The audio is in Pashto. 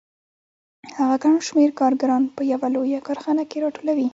هغه ګڼ شمېر کارګران په یوه لویه کارخانه کې راټولوي